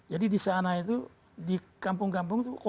jadi di sana itu di kampung kampung itu